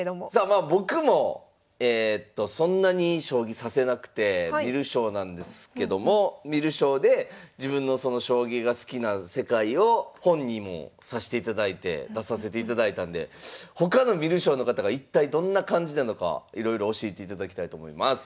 まあ僕もそんなに将棋指せなくて観る将なんですけども観る将で自分の将棋が好きな世界を本にもさしていただいて出させていただいたんで他の観る将の方が一体どんな感じなのかいろいろ教えていただきたいと思います。